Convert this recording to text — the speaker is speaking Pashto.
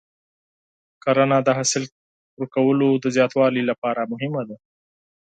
کرنه د حاصل ورکولو د زیاتوالي لپاره مهمه ده.